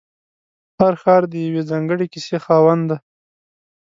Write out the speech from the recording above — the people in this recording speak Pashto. هر ښار د یوې ځانګړې کیسې خاوند دی.